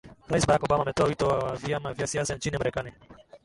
rais barack obama ametoa wito kwa vyama vya siasa nchini marekani